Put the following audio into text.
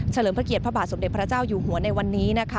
เลิมพระเกียรติพระบาทสมเด็จพระเจ้าอยู่หัวในวันนี้นะคะ